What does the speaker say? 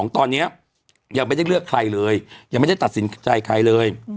ตอนนี้ยังไม่ได้เลือกใครเลยยังไม่ได้ตัดสินใจใครเลย